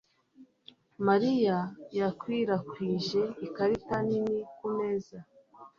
Mariya yakwirakwije ikarita nini kumeza